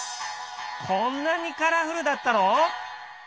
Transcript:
こんなにカラフルだったの！？